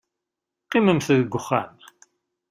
Qqimemt deg uxxam.